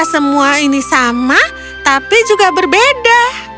semua ini sama tapi juga berbeda